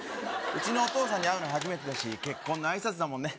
うちのお父さんに会うの初めてだし結婚の挨拶だもんね